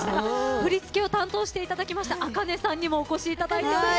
振り付けを担当していただきましたａｋａｎｅさんにもお越しいただいております。